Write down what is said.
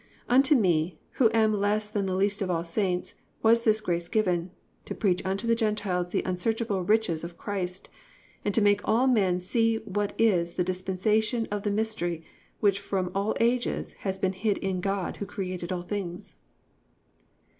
Unto me, who am less than the least of all saints, was this grace given, to preach unto the Gentiles the unsearchable riches of Christ; and to make all men see what is the dispensation of the mystery which from all ages has been hid in God who created all things."